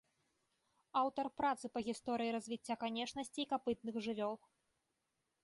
Аўтар працы па гісторыі развіцця канечнасцей капытных жывёл.